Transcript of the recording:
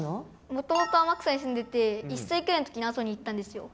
もともと天草に住んでて１歳くらいの時に阿蘇に行ったんですよ。